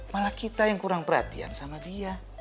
malah kita yang kurang perhatian sama dia